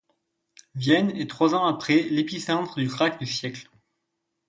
Vienne est trois ans après l'épicentre du krach du siècle.